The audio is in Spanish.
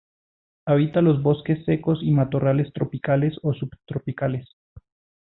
Habita los bosques secos y matorrales tropicales o subtropicales.